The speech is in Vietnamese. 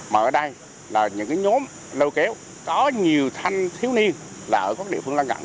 mà ở đây là những nhóm lâu kéo có nhiều thanh thiếu niên là ở các địa phương lao ngặn